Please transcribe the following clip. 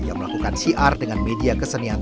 yang melakukan syiar dengan media kesenian